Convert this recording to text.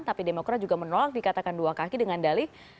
tapi demokrat juga menolak dikatakan dua kaki dengan dalih